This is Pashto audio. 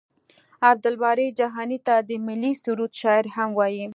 عبدالباري جهاني ته د ملي سرود شاعر هم وايي.